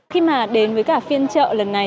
khi mà đến với cả phiên chợ lần này